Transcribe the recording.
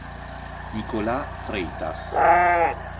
Nicolás Freitas